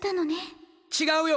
違うよ！